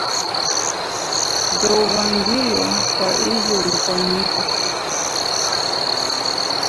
Ndouw'angilo kwa ijo ipwanyiko.